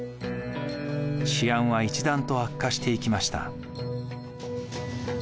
治安は一段と悪化していきました。